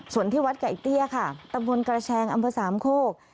ส่วนที่วัดไก่เตี้ยค่ะตำบลกระแชงอำเภอสามโคก